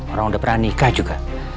orang udah pernah nikah juga